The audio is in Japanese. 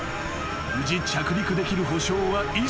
［無事着陸できる保証は一切ない］